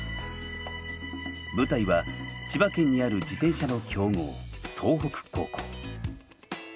舞台は千葉県にある自転車の強豪総北高校。